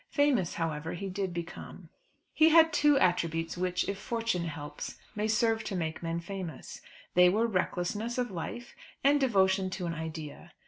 Famous, however, he did become. He had two attributes which, if Fortune helps, may serve to make any man famous. They were recklessness of life and devotion to an idea.